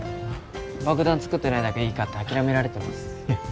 爆弾作ってないだけいいかって諦められてます